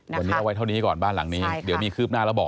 วันนี้เอาไว้เท่านี้ก่อนบ้านหลังนี้เดี๋ยวมีคืบหน้าแล้วบอก